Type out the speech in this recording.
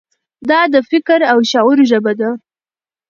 دا د فکر او شعور ژبه ده.